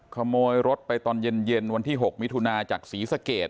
ขโมยรถไปตอนเย็นวันที่๖มิถุนาจากศรีสะเกด